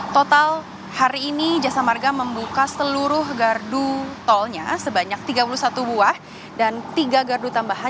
total hari ini jasa marga membuka seluruh gardu tolnya sebanyak tiga puluh satu buah dan tiga gardu tambahan